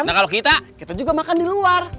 nah kalau kita kita juga makan di luar